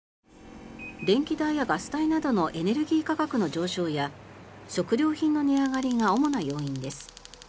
電気代やガス代などのエネルギー価格の上昇や食料品の値上がりが主な要因です。